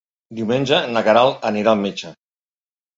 Diumenge na Queralt anirà al metge.